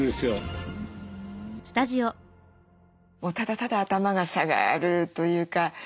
もうただただ頭が下がるというか。